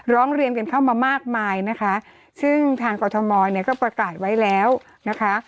ร้องเรียนกันเข้ามามากมายนะคะซึ่งทางกรทมเนี่ยก็ประกาศไว้แล้วนะคะ